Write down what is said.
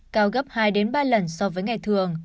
cao gấp hai đến ba lần so với ngày thứ ba